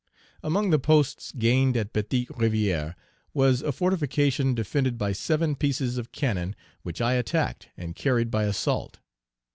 Among the posts gained at Petite Rivière, was a fortification defended by seven pieces of cannon, which I attacked, and carried by assault.